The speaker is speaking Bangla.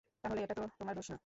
তাহলে এটা তো তোমার দোষ না।